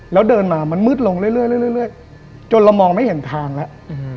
แล้วเดินมามันมืดลงเรื่อยจนเรามองไม่เห็นทางแล้ว